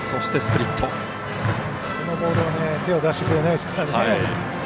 このボールを手を出してくれないですね。